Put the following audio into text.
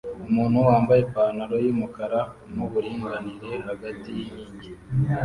Umuntu wambaye ipantaro yumukara nuburinganire hagati yinkingi